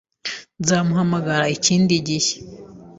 Nzaguhamagara ikindi gihe.